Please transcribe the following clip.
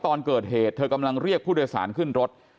ตอนเกิดเหตุเธอกำลังเรียกผู้โดยสารขึ้นรถ